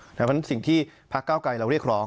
เพราะฉะนั้นสิ่งที่พระเก้าไกรเราเรียกร้อง